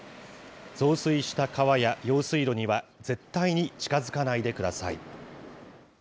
増水した川や用水路には絶対に近づかないでください。